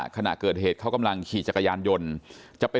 ขณะเกิดเหตุเขากำลังขี่จักรยานยนต์จะไป